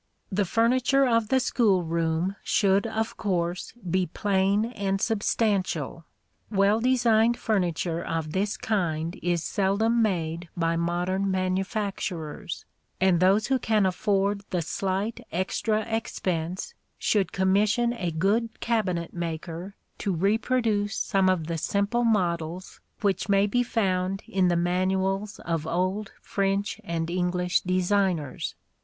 The furniture of the school room should of course be plain and substantial. Well designed furniture of this kind is seldom made by modern manufacturers, and those who can afford the slight extra expense should commission a good cabinet maker to reproduce some of the simple models which may be found in the manuals of old French and English designers.